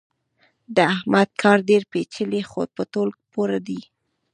د احمد کار ډېر پېچلی خو په تول پوره دی.